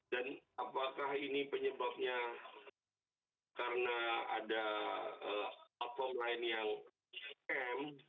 dan apakah ini penyebabnya karena ada platform lain yang krem